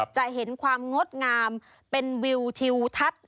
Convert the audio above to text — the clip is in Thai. จะเห็นความงดงามเป็นวิวทิวทัศน์